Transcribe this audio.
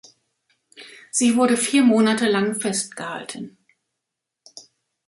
Sie wurde vier Monate lang festgehalten.